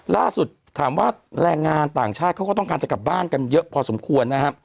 ล่าสุดถามว่าแรงงานต่างชาติเขาก็ต้องการจะกลับบ้านกันเยอะพอสมควรนะครับ